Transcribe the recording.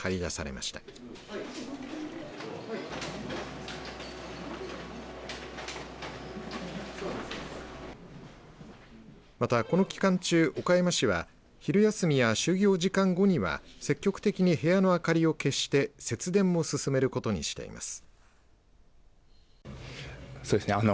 また、この期間中岡山市は昼休みや就業時間後には積極的に部屋の明かりを消して節電も進めることにしています。